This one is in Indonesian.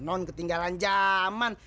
non ketinggalan zaman